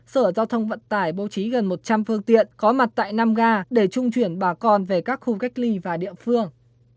sở giao thông vận tải bố trí gần một trăm linh phương tiện có mặt tại năm ga để trung chuyển bà con về các khu cách ly và địa phương